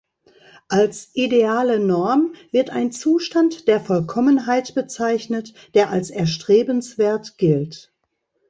Als "ideale Norm" wird ein Zustand der Vollkommenheit bezeichnet, der als erstrebenswert gilt.